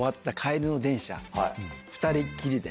２人きりで。